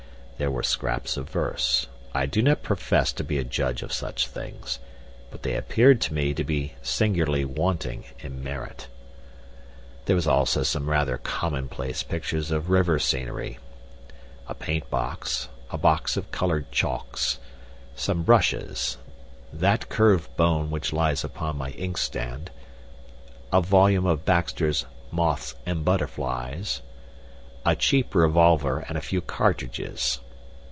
There were scraps of verse. I do not profess to be a judge of such things, but they appeared to me to be singularly wanting in merit. There were also some rather commonplace pictures of river scenery, a paint box, a box of colored chalks, some brushes, that curved bone which lies upon my inkstand, a volume of Baxter's 'Moths and Butterflies,' a cheap revolver, and a few cartridges.